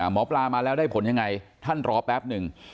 หมอปลามาแล้วได้ผลยังไงท่านรอแป๊บหนึ่ง